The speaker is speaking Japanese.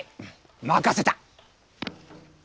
任せた。